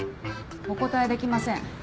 お答えできません。